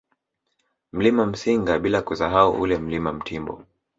Mlima Msinga bila kusahau ule Mlima Mtimbo